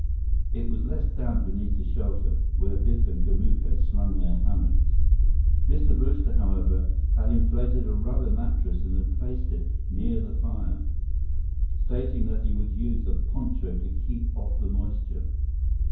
It was less damp beneath the shelter, where Biff and Kamuka had slung their hammocks. Mr. Brewster, however, had inflated a rubber mattress and had placed it near the fire, stating that he would use a poncho to keep off the moisture.